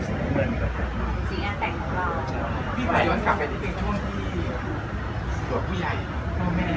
สีเอกแปะของบท